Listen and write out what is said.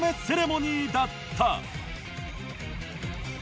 セレモニーだった